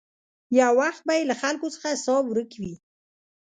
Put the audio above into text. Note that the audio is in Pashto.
یو وخت به یې له خلکو څخه حساب ورک وي.